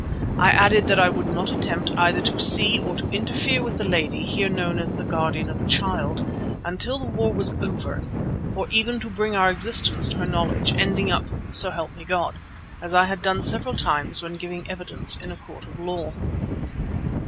I added that I would not attempt either to see or to interfere with the lady here known as the Guardian of the Child until the war was over or even to bring our existence to her knowledge, ending up, "so help me God," as I had done several times when giving evidence in a court of law.